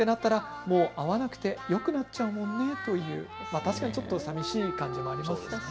確かにちょっと寂しい感じもありますね。